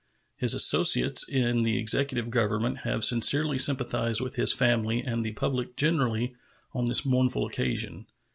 His associates in the executive government have sincerely sympathized with his family and the public generally on this mournful occasion.